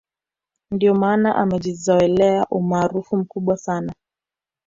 ndio maana amejizolea umaarufu mkubwa sana